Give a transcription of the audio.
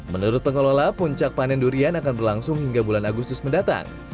menurut pengelola puncak panen durian akan berlangsung hingga bulan agustus mendatang